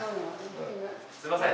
すいません！